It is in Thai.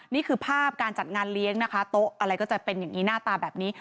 นี่คือภาพการจัดงานเลี้ยงนะคะโต๊ะอะไรก็จะเป็นอย่างนี้หน้าตาแบบนี้